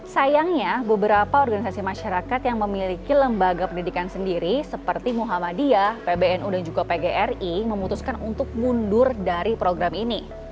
sayangnya beberapa organisasi masyarakat yang memiliki lembaga pendidikan sendiri seperti muhammadiyah pbnu dan juga pgri memutuskan untuk mundur dari program ini